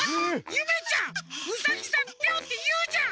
ゆめちゃんウサギさん「ピョン」っていうじゃん！